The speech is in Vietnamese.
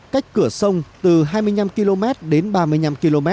cách cửa sông từ hai mươi năm km đến ba mươi năm km